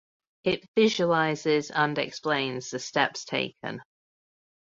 It visualises and explains the steps taken